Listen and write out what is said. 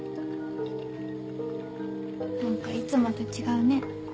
何かいつもと違うね。